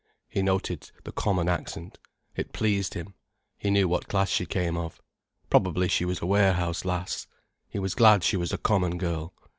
He noted the common accent. It pleased him. He knew what class she came of. Probably she was a warehouse lass. He was glad she was a common girl.